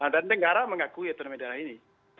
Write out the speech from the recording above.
dan negara mengakui otonomi daerah ini